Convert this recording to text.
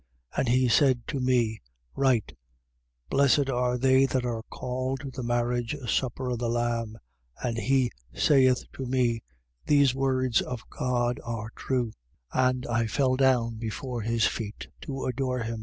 19:9. And he said to me: Write: Blessed are they that are called to the marriage supper of the Lamb. And he saith to me: These words of God are true. 19:10. And I fell down before his feet, to adore him.